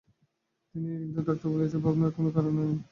কিন্তু ডাক্তার বলিয়াছে, ভাবনার কোনো কারণই নাই।